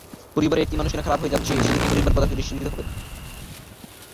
পরিবারে একটি মানুষ কেন খারাপ হয়ে যাচ্ছে, সেদিকে পরিবারপ্রধানকে দৃষ্টি দিতে হবে।